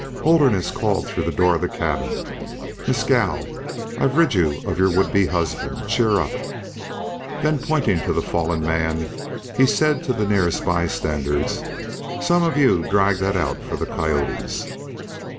Holderness called through the door of the cabin. "Mescal, I've rid you of your would be husband. Cheer up!" Then, pointing to the fallen man, he said to the nearest bystanders: "Some of you drag that out for the coyotes."